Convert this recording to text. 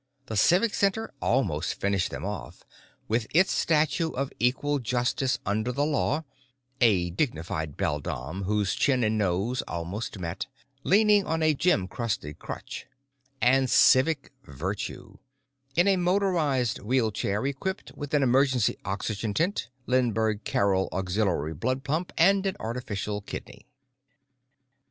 The Civic Center almost finished them off, with its statue of Equal Justice Under the Law (a dignified beldame whose chin and nose almost met, leaning on a gem crusted crutch) and Civic Virtue (in a motorized wheelchair equipped with an emergency oxygen tent, Lindbergh Carrel auxiliary blood pump and an artificial kidney).